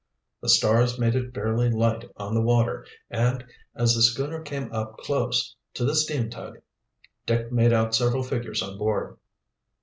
The stars made it fairly light on the water and, as the schooner came up close to the steam tug, Dick made out several figures on board.